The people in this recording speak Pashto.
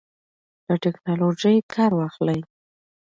له ټیکنالوژۍ کار واخلئ.